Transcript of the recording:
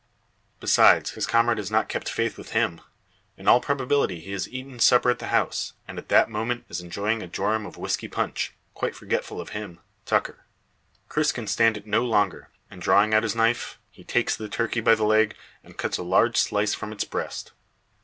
Besides, his comrade has not kept faith with him. In all probability he has eaten supper at the house, and at that moment is enjoying a jorum of whisky punch, quite forgetful of him. Tucker. Cris can stand it no longer; and, drawing out his knife, he takes the turkey by the leg, and cuts a large slice from its breast.